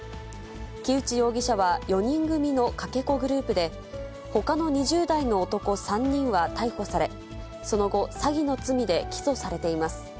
木内容疑者は４人組のかけ子グループで、ほかの２０代の男３人は逮捕され、その後、詐欺の罪で起訴されています。